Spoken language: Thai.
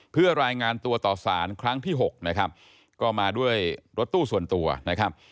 เพื่อรายงานตัวต่อสารครั้งที่หกนะครับก็มาด้วยรถตู้ส่วนตัวนะครับ